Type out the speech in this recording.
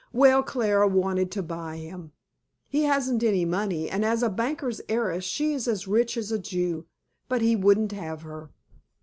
Well, Clara wanted to buy him. He hasn't any money, and as a banker's heiress she is as rich as a Jew. But he wouldn't have her."